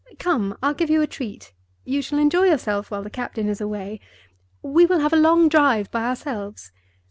Come! I'll give you a treat. You shall enjoy yourself while the captain is away. We will have a long drive by ourselves.